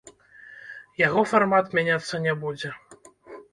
Яго фармат мяняцца не будзе.